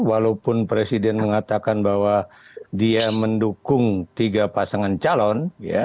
walaupun presiden mengatakan bahwa dia mendukung tiga pasangan calon